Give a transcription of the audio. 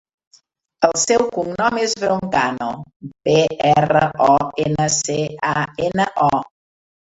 El seu cognom és Broncano: be, erra, o, ena, ce, a, ena, o.